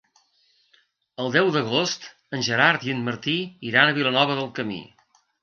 El deu d'agost en Gerard i en Martí iran a Vilanova del Camí.